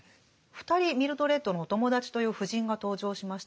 ２人ミルドレッドのお友達という夫人が登場しましたが。